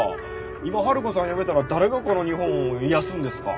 今ハルコさんやめたら誰がこの日本を癒やすんですか？